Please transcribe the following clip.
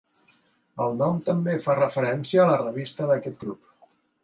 El nom també fa referència a la revista d'aquest grup.